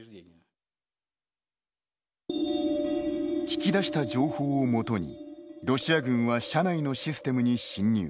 聞き出した情報をもとにロシア軍は社内のシステムに侵入。